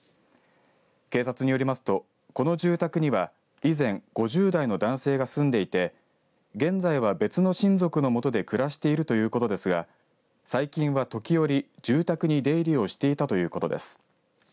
警察によりますとこの住宅には以前５０代の男性が住んでいて現在は別の親族の下で暮らしているということですが最近は時折住宅に出入りをしていたということです。